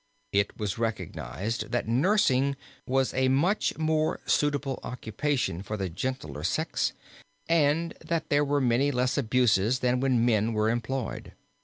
It was recognized that nursing was a much more suitable occupation for the gentler sex and that there were many less abuses than when men were employed.